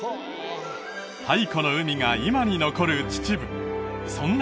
太古の海が今に残る秩父そんな